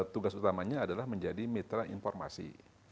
tugas utamanya adalah menjadi mitra informasi